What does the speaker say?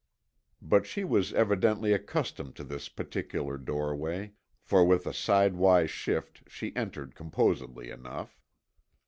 But she was evidently accustomed to this particular doorway, for with a sidewise shift she entered composedly enough.